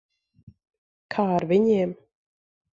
Kā ar viņiem?